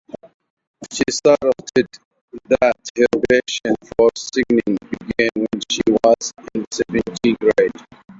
She stated that her passion for singing began when she was in seventh grade.